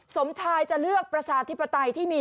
สมชายจะเลือกประชาธิปไตยที่มี